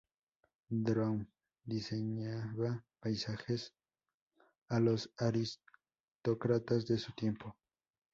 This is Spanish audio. Brown diseñaba paisajes a los aristócratas de su tiempo.